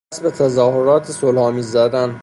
دست به تظاهرات صلح آمیز زدن